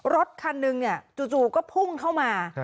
รถคันหนึ่งจู่ก็พุ่งเข้ามา